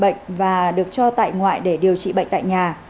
đào bị bệnh và được cho tại ngoại để điều trị bệnh tại nhà